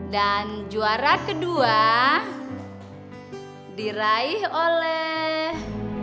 dan juara kedua diraih oleh